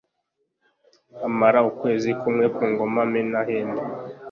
amara ukwezi kumwe ku ngoma menahemu